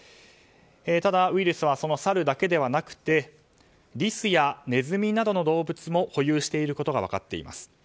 ただ、ウイルスはサルだけではなくてリスやネズミなどの動物も保有していることが分かっています。